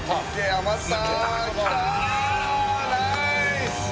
余った！